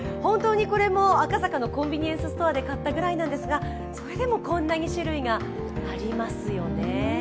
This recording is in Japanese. これ、赤坂のコンビニエンスストアで買ったぐらいなんですか、それでもこんなに種類がありますよね。